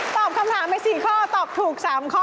ตอบคำถามไป๔ข้อตอบถูก๓ข้อ